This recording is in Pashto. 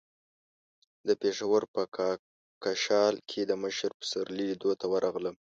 د پېښور په کاکشال کې د مشر پسرلي لیدو ته ورغلم.